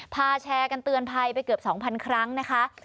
แชร์กันเตือนภัยไปเกือบ๒๐๐ครั้งนะคะ